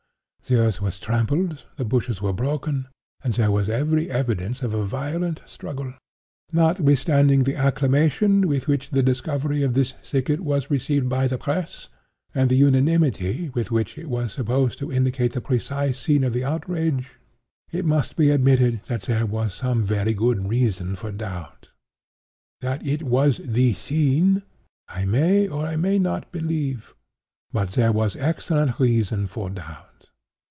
The earth was trampled, the bushes were broken, and there was every evidence of a violent struggle. "Notwithstanding the acclamation with which the discovery of this thicket was received by the press, and the unanimity with which it was supposed to indicate the precise scene of the outrage, it must be admitted that there was some very good reason for doubt. That it was the scene, I may or I may not believe—but there was excellent reason for doubt.